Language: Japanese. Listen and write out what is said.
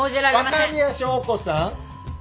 若宮翔子さん。